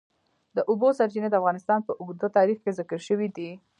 د اوبو سرچینې د افغانستان په اوږده تاریخ کې ذکر شوی دی.